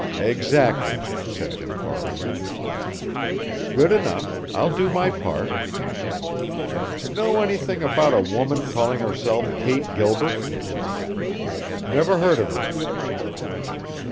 "Exactly," said Jim Farland. "Good enough. I'll do my part." "Know anything about a woman calling herself Kate Gilbert?" "Never heard of her."